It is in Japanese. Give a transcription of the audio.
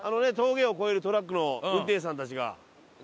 峠を越えるトラックの運転手さんたちが。